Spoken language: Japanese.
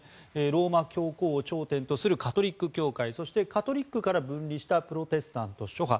ローマ教皇を頂点とするカトリック教会そしてカトリックから分離したプロテスタント諸派。